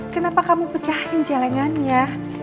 kenapa kamu pecahin jelengan ya